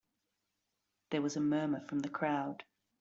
There was a murmur from the crowd.